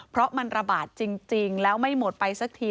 เพราะมันระบาดจริงแล้วไม่หมดไปสักที